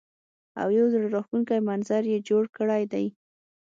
او يو زړۀ راښکونکے منظر يې جوړ کړے دے ـ